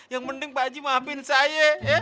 yang penting pak aji maafin saya ya